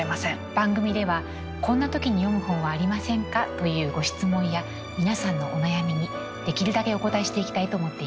番組では「こんな時に読む本はありませんか？」というご質問や皆さんのお悩みにできるだけお応えしていきたいと思っています。